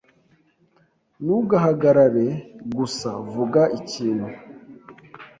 Ntugahagarare gusa, vuga ikintu